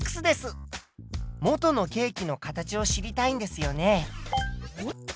元のケーキの形を知りたいんですよね？